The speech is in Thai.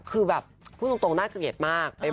คือแบบพูดตรงน่าเกลียดมาก